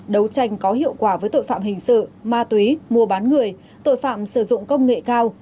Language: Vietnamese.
đấu tranh có hiệu quả với tội phạm hình sự ma túy mua bán người tội phạm sử dụng công nghệ cao